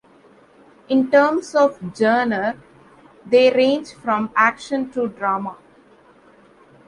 In terms of genre, they range from action to drama.